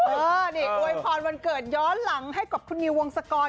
อ๋อนี่โดยพรวงศกรย้อนหลังให้กับคุณนิววงศกรก่อน